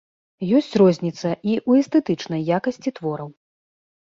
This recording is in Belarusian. Ёсць розніца і ў эстэтычнай якасці твораў.